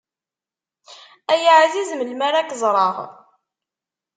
Ay aεziz melmi ara k-ẓreɣ.